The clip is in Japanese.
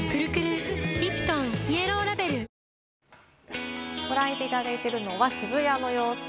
やろご覧いただいているのは渋谷の様子。